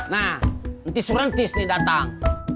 nah ntis ntis nih datang